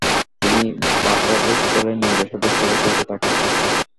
তিনি বার্বাডোস দলের নিয়মিত সদস্য হিসেবে খেলতে থাকেন।